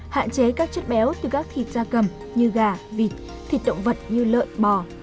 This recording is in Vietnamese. hạn chế các chất béo từ các thịt da cầm như gà vịt thịt động vật như lợn bò